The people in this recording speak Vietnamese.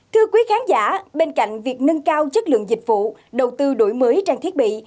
thưa quý khán giả bên cạnh việc nâng cao chất lượng dịch vụ đầu tư đổi mới trang thiết bị